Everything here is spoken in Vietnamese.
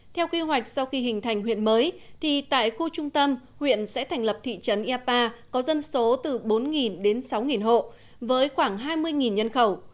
theo quy hoạch sau khi hình thành huyện mới thì tại khu trung tâm huyện sẽ thành lập thị trấn yapa có dân số từ bốn đến sáu hộ với khoảng hai mươi nhân khẩu